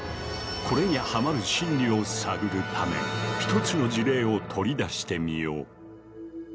これにハマる心理を探るため一つの事例を取り出してみよう。